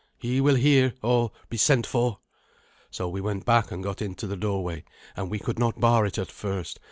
He will hear, or be sent for." So we went back and got into the doorway, and we could not bar it at first.